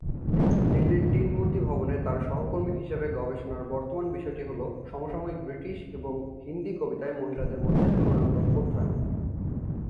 দিল্লির টিন মূর্তি ভবনে তাঁর সহকর্মী হিসাবে গবেষণার বর্তমান বিষয়টি হলো "সমসাময়িক ব্রিটিশ এবং হিন্দি কবিতায় মহিলাদের মধ্যে তুলনামূলক অধ্যয়ন"।